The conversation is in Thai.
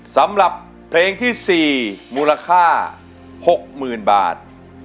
สำหรับเพลงที่๔มูลค่า๖๐๐๐บาท